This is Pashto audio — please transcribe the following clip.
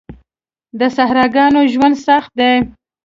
د صحراګانو ژوند سخت دی.